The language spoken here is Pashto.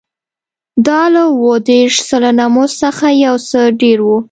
دا له اووه دېرش سلنه مزد څخه یو څه ډېر و